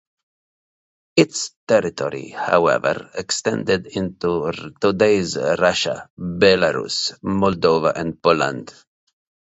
Its territory however extended into today's Russia, Belarus, Moldova and Poland.